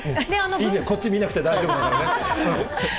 こっち見なくて大丈夫だからね。